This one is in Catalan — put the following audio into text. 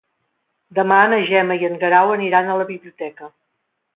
Demà na Gemma i en Guerau aniran a la biblioteca.